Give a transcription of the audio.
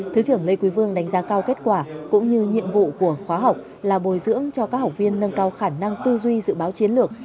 thứ trưởng lê quý vương đánh giá cao kết quả cũng như nhiệm vụ của khóa học là bồi dưỡng cho các học viên nâng cao khả năng tư duy dự báo chiến lược